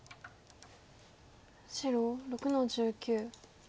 白６の十九。